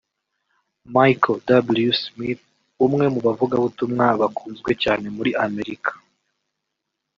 Michael W Smith umwe mu bavugabutumwa bakunzwe cyane muri Amerika